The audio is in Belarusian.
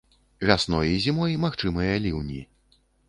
Вясной і зімой магчымыя ліўні.